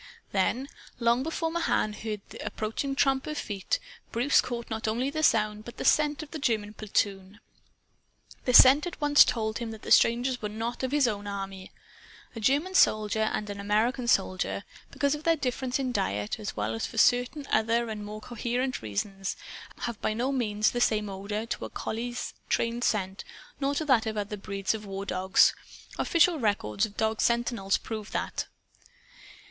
Then long before Mahan heard the approaching tramp of feet Bruce caught not only the sound but the scent of the German platoon. The scent at once told him that the strangers were not of his own army. A German soldier and an American soldier because of their difference in diet as well as for certain other and more cogent reasons have by no means the same odor, to a collie's trained scent, nor to that of other breeds of war dogs. Official records of dog sentinels prove that.